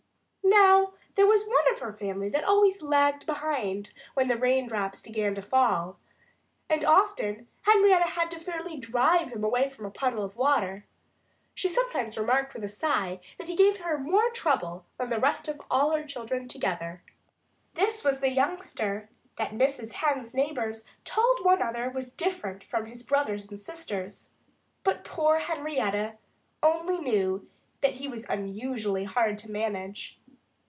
Now, there was one of her family that always lagged behind when the rain drops began to fall. And often Henrietta had fairly to drive him away from a puddle of water. She sometimes remarked with a sigh that he gave her more trouble than all the rest of her children together. This was the youngster that Mrs. Hen's neighbors told one another was different from his brothers and sisters. But poor Henrietta Hen only knew that he was unusually hard to manage.